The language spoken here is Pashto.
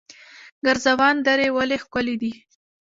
ګرزوان درې ولې ښکلې دي؟